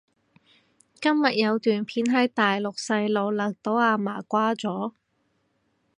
今日有段片係大陸細路勒到阿嫲瓜咗？